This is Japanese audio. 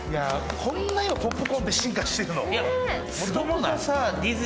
こんな今ポップコーンって進化してるの？